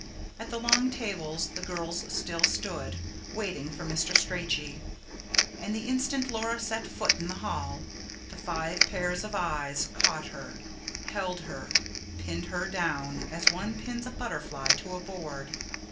At the long tables the girls still stood, waiting for Mr. Strachey; and the instant Laura set foot in the hall, five pairs of eyes caught her, held her, pinned her down, as one pins a butterfly to a board.